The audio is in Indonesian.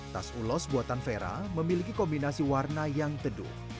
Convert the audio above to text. tas ulos buatan vera memiliki kombinasi warna yang teduh